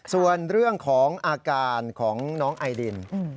ส่วนเรื่องของอาการของน้องไอดิน